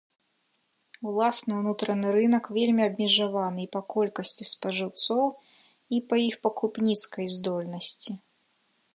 Уласны ўнутраны рынак вельмі абмежаваны і па колькасці спажыўцоў, і па іх пакупніцкай здольнасці.